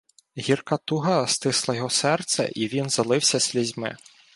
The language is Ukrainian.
Гірка туга стисла йому серце, і він залився слізьми.